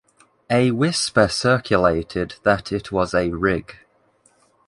A whisper circulated that it was a rig.